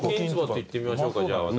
いってみましょうかじゃあ私。